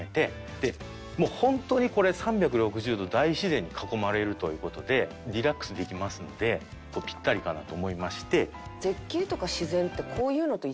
でホントにこれ３６０度大自然に囲まれるという事でリラックスできますのでぴったりかなと思いまして。